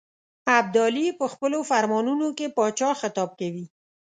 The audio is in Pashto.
ابدالي په خپلو فرمانونو کې پاچا خطاب کوي.